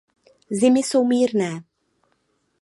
Zimy jsou mírné.